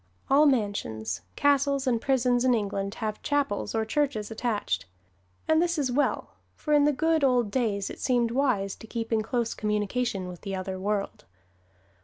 All mansions, castles and prisons in England have chapels or churches attached. And this is well, for in the good old days it seemed wise to keep in close communication with the other world.